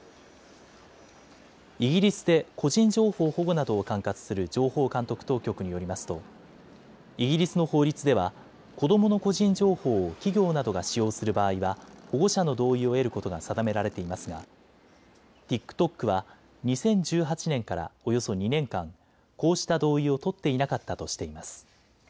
イギリスで個人情報保護などを管轄する情報監督当局によりますとイギリスの法律では子どもの個人情報を企業などが使用する場合は保護者の同意を得ることが定められていますがＴｉｋＴｏｋは２０１８年からおよそ２年間、こうした同意を取っていなかったとしています。